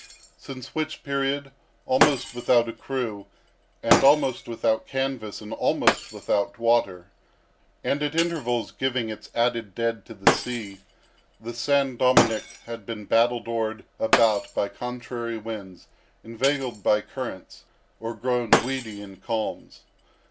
Since which period, almost without a crew, and almost without canvas and almost without water, and, at intervals giving its added dead to the sea, the San Dominick had been battle dored about by contrary winds, inveigled by currents, or grown weedy in calms.